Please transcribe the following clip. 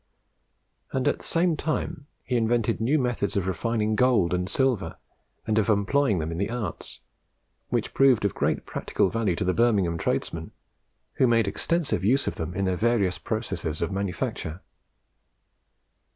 At the same time he invented new methods of refining gold and silver, and of employing them in the arts, which proved of great practical value to the Birmingham trades men, who made extensive use of them in their various processes of manufacture.